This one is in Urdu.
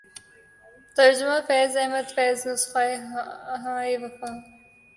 ترجمہ فیض احمد فیض نسخہ ہائے وفا